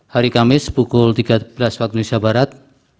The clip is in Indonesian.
hari kamis pukul tiga belas waktu indonesia barat